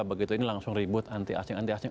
begitu ini langsung ribut anti asing anti asing